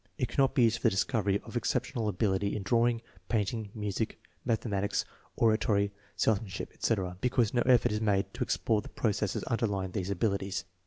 It cannot be used for the discovery of exceptional ability in drawing, painting, music, mathematics, oratory, salesmanship, etc., because no ef fort is made to explore the processes underlying these abil ities.